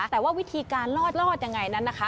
แต่ว่าวิธีการลอดยังไงนั้นนะคะ